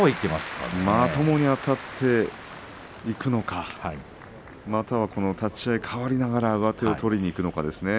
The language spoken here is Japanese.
まともにあたっていくのかまたは立ち合い変わりながら上手を取りにいくのか。